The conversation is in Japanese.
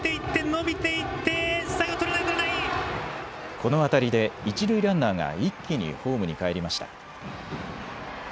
この当たりで一塁ランナーが一気にホームに帰りました。